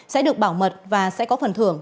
sẽ được bảo mật và sẽ có phần thưởng